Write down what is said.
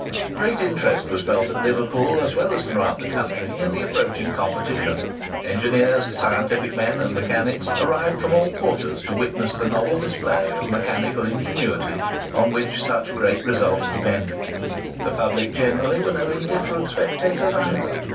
Great interest was felt at Liverpool, as well as throughout the country, in the approaching competition. Engineers, scientific men, and mechanics, arrived from all quarters to witness the novel display of mechanical ingenuity on which such great results depended. The public generally were no indifferent spectators either.